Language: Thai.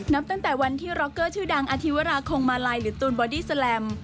นับตั้งแต่วันที่ร็อกเกอร์ชื่อดังอธิวราคงมาลัยหรือตูนบอดี้แลม